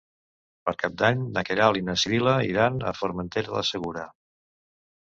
Per Cap d'Any na Queralt i na Sibil·la iran a Formentera del Segura.